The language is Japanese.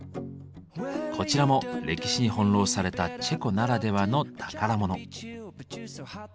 こちらも歴史に翻弄されたチェコならではの宝物。